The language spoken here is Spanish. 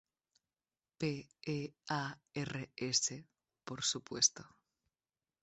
P-E-A-R-S, por supuesto.